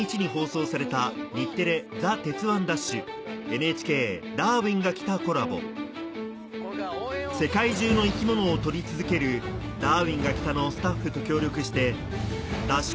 ＮＨＫ『ダーウィンが来た！』コラボ世界中の生き物を撮り続ける『ダーウィンが来た！』のスタッフと協力してＤＡＳＨ